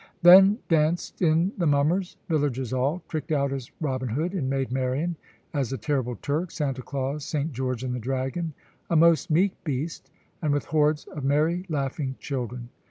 Then danced in the mummers, villagers all, tricked out as Robin Hood and Maid Marian, as the Terrible Turk, Santa Claus, St. George and the Dragon a most meek beast and with hordes of merry, laughing children.